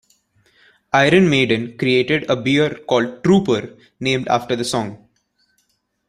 Iron Maiden created a beer called "Trooper", named after the song.